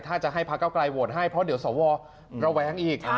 ถ้าจะให้ภัทรเก้าใกล่โวตให้เพราะเดี๋ยวสวเรวยั้งอีก